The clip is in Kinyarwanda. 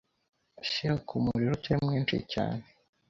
shyira ku muriro utari mwinshi cyane